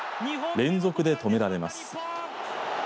連続で止められます。